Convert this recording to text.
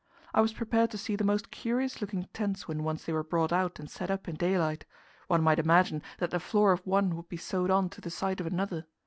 I was prepared to see the most curious looking tents when once they were brought out and set up in daylight; one might imagine that the floor of one would be sewed on to the side of another.